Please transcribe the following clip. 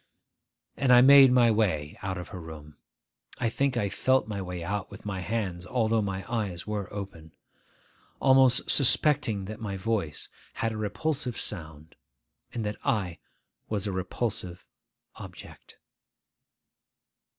and I made my way out of her room (I think I felt my way out with my hands, although my eyes were open), almost suspecting that my voice had a repulsive sound, and that I was a repulsive object.